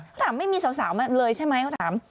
เขาถามไม่มีสาวมาเลยใช่ไหมเขาถาม